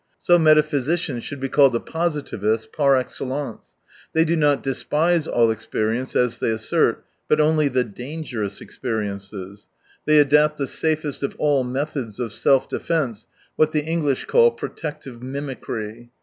So metaphysicians should be called the positivists par excellence. They do not despise all experience, as they assert, but only the dangerous experiences. They adapt the safest of all methods of self defence, what the English call protective mimicry.